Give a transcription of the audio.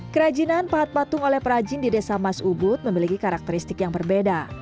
kerajinan pahat patung oleh perajin di desa mas ubud memiliki karakteristik yang berbeda